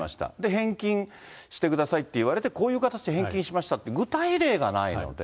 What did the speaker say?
返金してくださいって言われて、こういう形で返金しましたって具体例がないので。